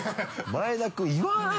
前田君言わない。